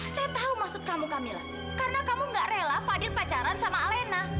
saya tau maksud kamu kamila karena kamu gak rela fadil pacaran sama alina